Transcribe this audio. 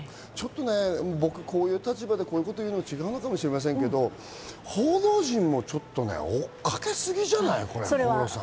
僕、こういう立場でこういうこと言うのは違うかもしれませんけど、報道陣もちょっと追っかけすぎじゃない？